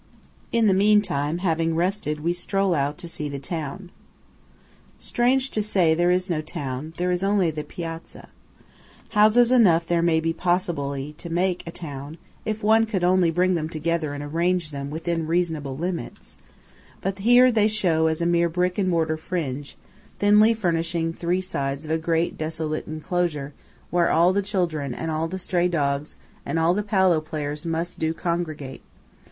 In the meantime, having rested, we stroll out to see the town. Strange to say, there is no town; there is only the piazza. Houses enough there may possibly be to make a town, if one could only bring them together and arrange them within reasonable limits; but here they show as a mere brick and mortar fringe, thinly furnishing three sides of a great desolate enclosure where all the children, and all the stray dogs, and all the Pallo players most do congregate.